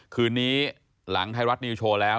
คืนนี้หลังไทยรัฐนิวโชว์แล้ว